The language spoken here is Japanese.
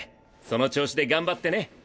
その調子で頑張ってね。